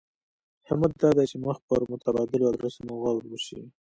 همت دا دی چې مخ پر متبادلو ادرسونو غور وشي.